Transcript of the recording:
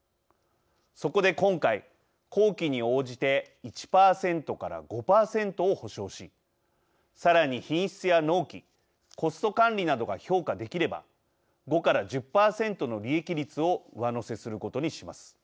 そこで今回工期に応じて１％から５％を保障しさらに品質や納期コスト管理などが評価できれば５から１０％の利益率を上乗せすることにします。